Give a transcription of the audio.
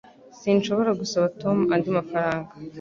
Sinshobora gusaba Tom andi mafaranga